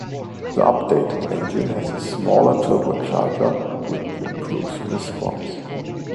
The updated engine has a smaller turbocharger, which improves response.